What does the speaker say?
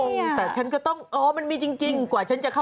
อืมอืมอืมอืมอืมอืม